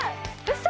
嘘！